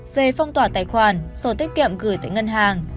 về phong tỏa tài khoản sổ tiết kiệm gửi tại ngân hàng